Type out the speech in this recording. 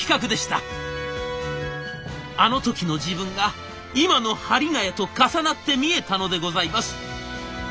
あの時の自分が今の針ヶ谷と重なって見えたのでございます。